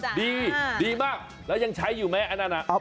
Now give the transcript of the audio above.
ดีดีมากแล้วยังใช้อยู่ไหมอันนั้น